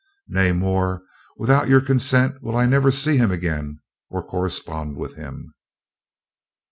Nay, more, without your consent I will never see him again or correspond with him."